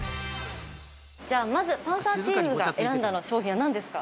じゃあまずパンサーチームが選んだ商品は何ですか？